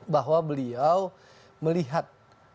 bahwa beliau melihat